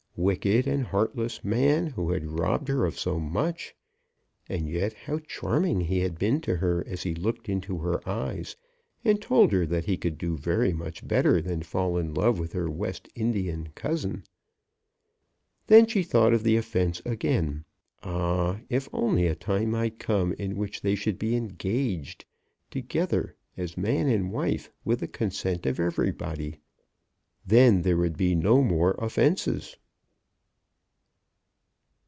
Wicked and heartless man, who had robbed her of so much! And yet how charming he had been to her as he looked into her eyes, and told her that he could do very much better than fall in love with her West Indian cousin. Then she thought of the offence again. Ah, if only a time might come in which they should be engaged together as man and wife with the consent of everybody! Then there would be no more offences.